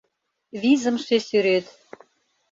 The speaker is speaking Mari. Визымше сӱрет